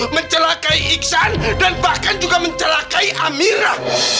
mencelakai iksan dan bahkan juga mencelakai amira